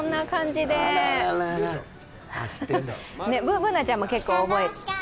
Ｂｏｏｎａちゃんも結構覚えた。